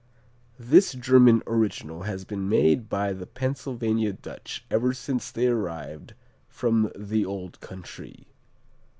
_ This German original has been made by the Pennsylvania Dutch ever since they arrived from the old country.